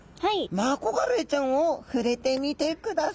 マコガレイちゃんを触れてみてください。